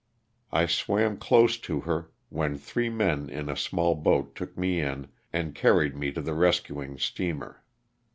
I swam close to her, when three men in a small boat took me in and carried me to the res cuing steamer.